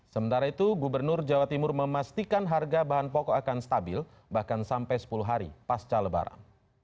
sementara itu gubernur jawa timur memastikan harga bahan pokok akan stabil bahkan sampai sepuluh hari pasca lebaran